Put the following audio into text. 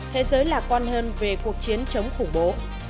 thế giới lạc quan hơn về cuộc chiến chống khủng bố